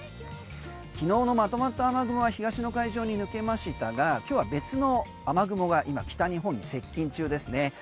昨日のまとまった雨雲は東の海上に抜けましたが今日は別の雨雲が今、北日本に接近中ですね。